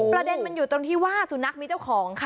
ประเด็นมันอยู่ตรงที่ว่าสุนัขมีเจ้าของค่ะ